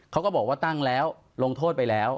เขาก็บอกว่าตั้งแล้วลงโทษไปแล้ว